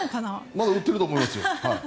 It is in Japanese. まだ売ってると思いますよ。